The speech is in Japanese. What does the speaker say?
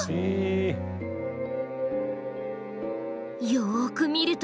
よく見ると。